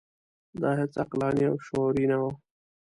دا هیڅ عقلاني او شعوري نه وه.